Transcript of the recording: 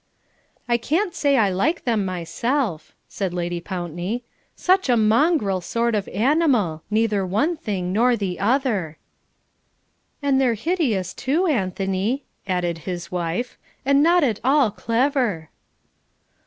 "I can't say I like them myself," said Lady Pountney; "such a mongrel sort of animal neither one thing nor the other!" "And they're hideous too, Anthony," added his wife. "And not at all clever!"